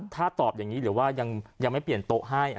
ถ้าตอบอย่างนี้หรือว่ายังไม่เปลี่ยนโต๊ะให้